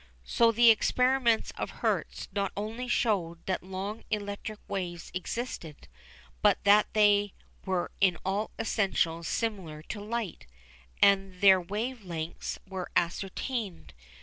So the experiments of Hertz not only showed that long electric waves existed, but that they were in all essentials similar to light, and their wave lengths were ascertained.